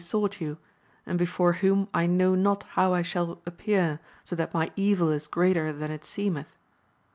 sought you, and before whom I know not how I shall appear, so that my evil is greater than it seemeth.